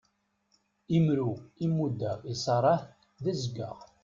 Imru i muddeɣ i Sarah d azeggaɣ.